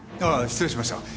ああ失礼しました！